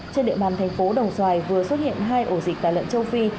trên địa bàn tp đồng xoài vừa xuất hiện hai ổ dịch tả lợn châu phi